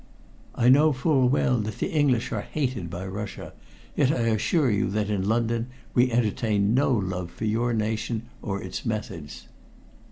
I know full well that the English are hated by Russia, yet I assure you that in London we entertain no love for your nation or its methods."